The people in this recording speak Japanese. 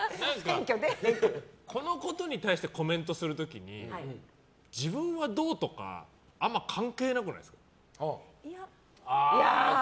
このことに対してコメントする時に自分はどうとかあんま関係なくないですか。